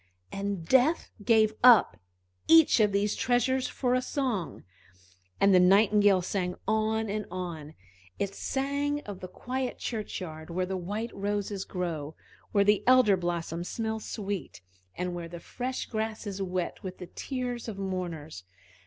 And Death gave up each of these treasures for a song. And the Nightingale sang on and on; it sang of the quiet churchyard where the white roses grow, where the elder blossom smells sweet, and where the fresh grass is wet with the tears of mourners.